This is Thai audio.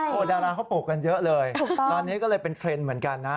โอ้โหดาราเขาปลูกกันเยอะเลยตอนนี้ก็เลยเป็นเทรนด์เหมือนกันนะ